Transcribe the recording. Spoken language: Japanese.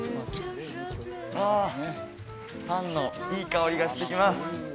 あパンのいい香りがしてきます！